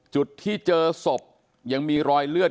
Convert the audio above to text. จุดที่เจอศพยังมีรอยเลือด